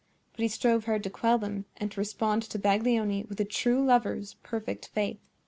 But he strove hard to quell them and to respond to Baglioni with a true lover's perfect faith.